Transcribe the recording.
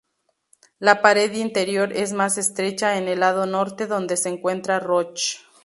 La pared interior es más estrecha en el lado norte, donde se encuentra Roche.